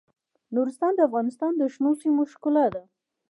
نورستان د افغانستان د شنو سیمو ښکلا ده.